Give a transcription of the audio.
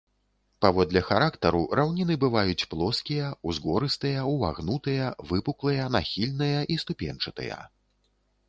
Паводле характару раўніны бываюць плоскія, узгорыстыя, увагнутыя, выпуклыя, нахільныя і ступеньчатыя.